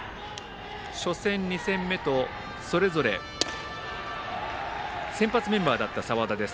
初戦、２戦目とそれぞれ先発メンバーだった澤田です。